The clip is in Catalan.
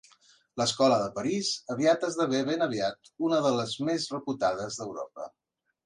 L'escola de París aviat esdevé ben aviat una de les més reputades d'Europa.